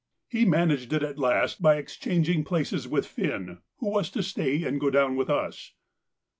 He managed it at last by exchanging places with Finn, who was to stay and go down with us.